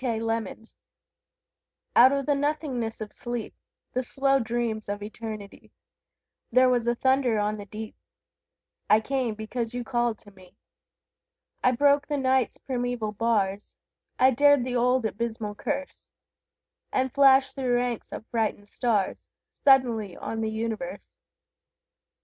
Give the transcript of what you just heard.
The Call Out of the nothingness of sleep, The slow dreams of Eternity, There was a thunder on the deep: I came, because you called to me. I broke the Night's primeval bars, I dared the old abysmal curse, And flashed through ranks of frightened stars Suddenly on the universe!